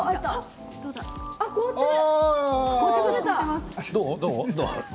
凍ってる。